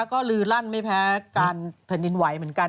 ก็ลือลั่นไม่แพ้การแผ่นดินไหวเหมือนกัน